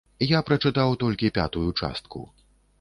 Я прачытаў толькі пятую частку.